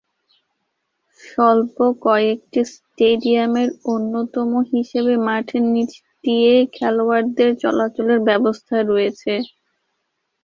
স্বল্প কয়েকটি স্টেডিয়ামের অন্যতম হিসেবে মাঠের নীচ দিয়ে খেলোয়াড়দের চলাচলের ব্যবস্থা রয়েছে।